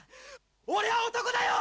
俺は男だよ！